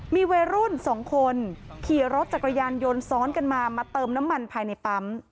มีวัยรุ่นสองคนขี่รถจักรยานยนต์ซ้อนกันมามาเติมน้ำมันภายในปั๊ม